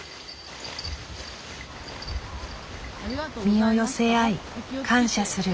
「身を寄せ合い感謝する」。